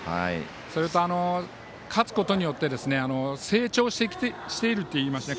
それと、勝つことによって成長していると言いましたね。